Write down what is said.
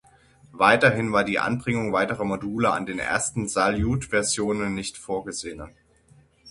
Weiterhin war die Anbringung weiterer Module an den ersten Saljut-Versionen nicht vorgesehen.